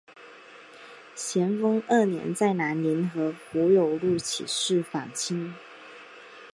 咸丰二年在南宁和胡有禄起事反清。